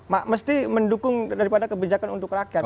mesti mendukung daripada kebijakan untuk rakyat